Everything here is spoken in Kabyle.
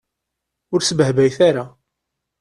Ur sbehbayet ara.